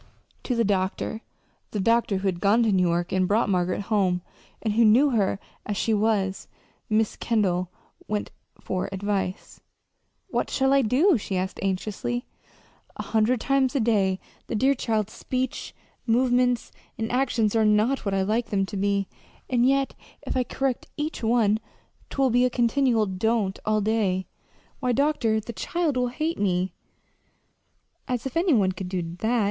To the doctor the doctor who had gone to New York and brought Margaret home, and who knew her as she was Mrs. Kendall went for advice. "What shall I do?" she asked anxiously. "A hundred times a day the dear child's speech, movements, and actions are not what I like them to be. And yet if I correct each one, 'twill be a continual 'don't' all day. Why, doctor, the child will hate me!" "As if any one could do that!"